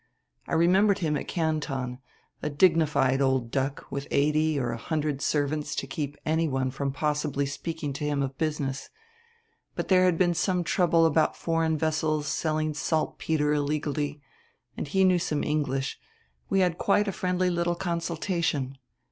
I remembered him at Canton, a dignified old duck with eighty or a hundred servants to keep anyone from possibly speaking to him of business, but there had been some trouble about foreign vessels selling saltpeter illegally and he knew some English we had quite a friendly little consultation.